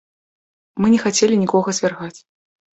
Мы не хацелі нікога звяргаць.